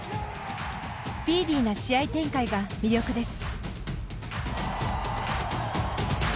スピーディーな試合展開が魅力です。